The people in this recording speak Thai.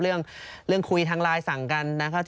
เรื่องคุยทางไลน์สั่งกันนะคะ